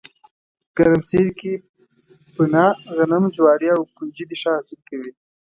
ګرمسیر کې پنه، غنم، جواري او ُکنجدي ښه حاصل کوي